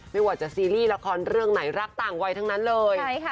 ไม่ว่าจะซีรีส์ละครเรื่องไหนรักต่างวัยทั้งนั้นเลย